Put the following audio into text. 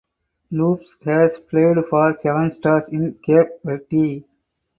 Lopes has played for Seven Stars in Cape Verde.